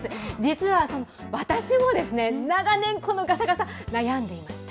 実は、私もですね、長年、このがさがさ、悩んでいました。